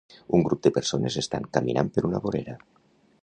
Un grup de persones estan caminant per una vorera.